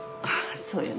そうよね。